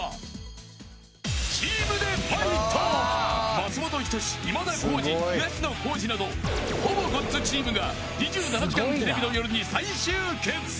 ［松本人志今田耕司東野幸治などほぼごっつチームが『２７時間テレビ』の夜に再集結］